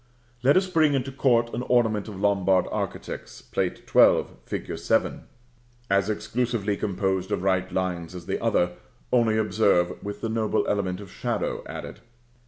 Let us bring into court an ornament of Lombard architects, Plate XII., fig. 7, as exclusively composed of right lines as the other, only, observe, with the noble element of shadow added.